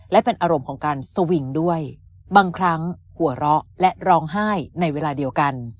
และเป็นอารมณ์ของการสวิงด้วยบางครั้งหัวเราะและร้องไห้ในเวลาเดียวกัน